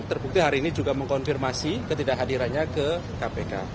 terbukti hari ini juga mengkonfirmasi ketidakhadirannya ke kpk